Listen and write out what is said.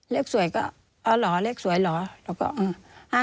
เลขสวยก็เอาเหรอเลขสวยเหรอ